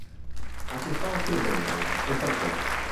A chi stava scrivendo e perché?